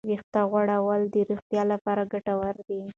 ویښتې غوړول د روغتیا لپاره ګټور دي.